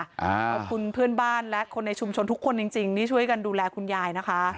ขอบคุณเพื่อนบ้านและคนในชุมชนทุกคนจริงที่ช่วยกันดูแลคุณยายนะคะ